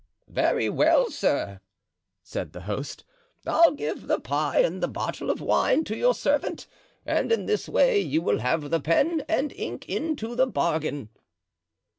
"Very well, sir," said the host, "I'll give the pie and the bottle of wine to your servant, and in this way you will have the pen and ink into the bargain."